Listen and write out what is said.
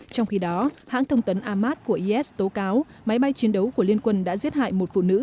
trong khi đó hãng thông tấn ahmad của is tố cáo máy bay chiến đấu của liên quân đã giết hại một phụ nữ